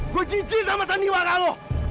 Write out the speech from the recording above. gue jijik sama seni warah lu